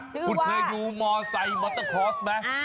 คุณเคยดูมอเตอร์ไซค์บอเตอร์คลอสไหม